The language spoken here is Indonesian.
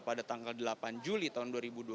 pada tanggal delapan juli tahun dua ribu dua puluh